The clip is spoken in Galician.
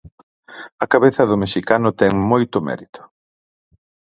A cabeza do mexicano ten moito mérito.